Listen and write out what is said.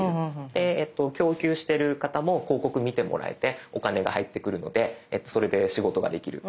で供給してる方も広告見てもらえてお金が入ってくるのでそれで仕事ができる。